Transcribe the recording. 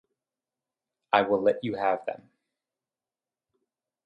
I will let you have them.